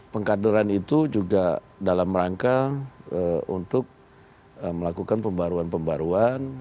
pengkaderan itu juga dalam rangka untuk melakukan pembaruan pembaruan